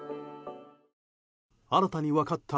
新たに分かった